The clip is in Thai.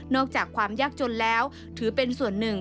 อกจากความยากจนแล้วถือเป็นส่วนหนึ่ง